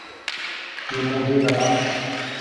J’ai mangé là-bas.